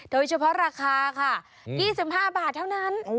โดยเฉพาะราคาค่ะ๒๕บาทเท่านั้น